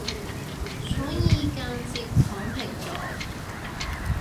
所以間接躺平咗